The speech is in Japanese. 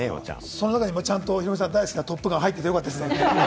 その中でもヒロミさんが大好きな『トップガン』が入っててよかったですね。